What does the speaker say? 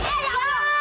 eh ya allah